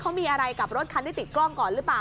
เขามีอะไรกับรถคันที่ติดกล้องก่อนหรือเปล่า